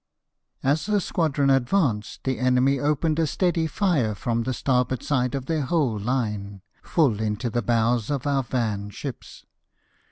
As the squadron advanced the enemy opened a steady fire from the starboard side of their whole line, full into the bows of our van ships.